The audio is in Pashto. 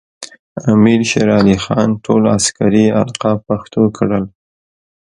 امیر شیر علی خان ټول عسکري القاب پښتو کړل.